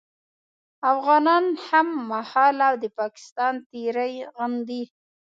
افغانان هممهاله د پاکستان تېری غندي